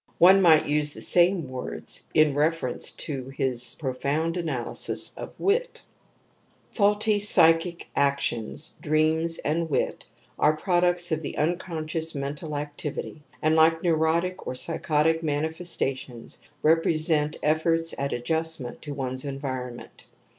One might use the same words in reference to his profound anaylsis of wit *. Faulty psychic actions, dreams and wit are products of the unconscious mental activity, and like neurotic or psychotic manifestations represent efforts at adjustment to one's environ ment.